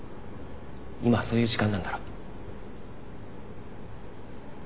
今はそういう時間なんだろ。